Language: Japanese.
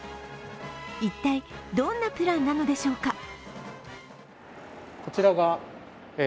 一体、どんなプランなのでしょうか？